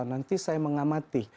nanti saya mengamati